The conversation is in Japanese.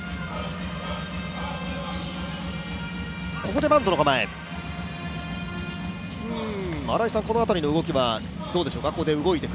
ここでバントの構え、この辺りの動きはどうでしょうか。